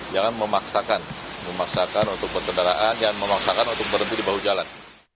jangan memaksakan untuk pertendaraan jangan memaksakan untuk berhenti di bawah jalan